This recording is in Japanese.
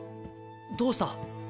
どうした？